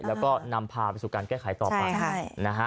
แล้วก็นำพาไปสู่การแก้ไขต่อไปนะฮะ